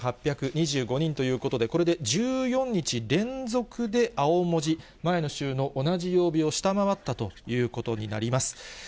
７８２５人ということで、これで１４日連続で青文字、前の週の同じ曜日を下回ったということになります。